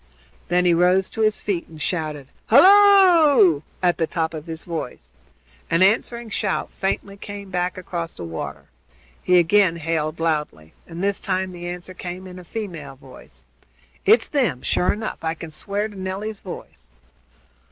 Then he rose to his feet and shouted "Halloo!" at the top of his voice. An answering shout faintly came back across the water. He again hailed loudly, and this time the answer came in a female voice. "It's them, sure enough. I can swear to Nelly's voice."